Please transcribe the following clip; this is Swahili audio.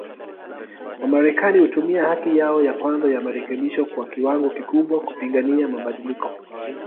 Wamarekani hutumia haki yao ya kwanza ya marekebisho kwa kiwango kikubwa, kupigania mabadiliko.